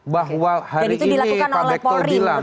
bahwa hari ini pak bekto bilang